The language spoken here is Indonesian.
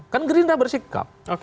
kan gerindra bersikap